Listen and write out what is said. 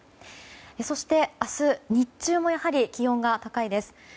そして明日日中もやはり気温が高いです。